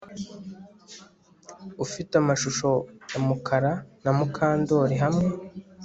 Ufite amashusho ya Mukara na Mukandoli hamwe